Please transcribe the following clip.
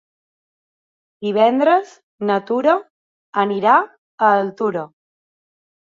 Divendres na Tura anirà a Altura.